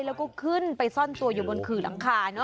แล้วก็ขึ้นไปซ่อนตัวอยู่บนขื่อหลังคา